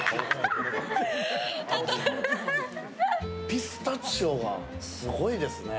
ピスタチオがすごいですね。